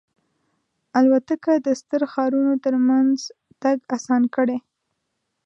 الوتکه د ستر ښارونو ترمنځ تګ آسان کړی.